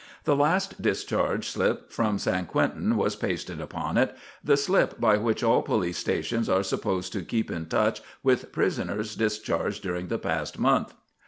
The last discharge slip from San Quentin was pasted upon it, the slip by which all police stations are supposed to keep in touch with prisoners discharged during the past month.